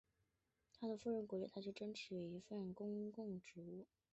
他的夫人鼓励他去争取一份公共职务。